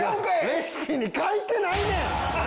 レシピに書いてないねん！